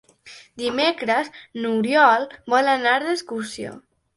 Dimecres n'Oriol vol anar d'excursió.